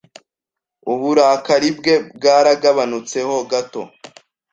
Uburakari bwe bwaragabanutseho gato